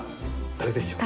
誰でしょう？